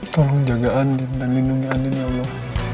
tolong jaga andi dan lindungi andi ya allah